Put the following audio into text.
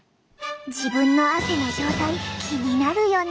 自分の汗の状態気になるよね？